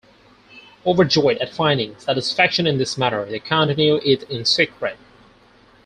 Overjoyed at finding satisfaction in this manner, they continue it in secret.